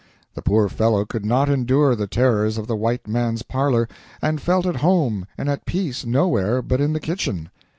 The poor fellow could not endure the terrors of the white man's parlor, and felt at home and at peace nowhere but in the kitchen.